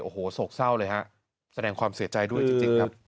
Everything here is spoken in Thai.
โอ้โหโศกเศร้าเลยฮะแสดงความเสียใจด้วยจริงครับ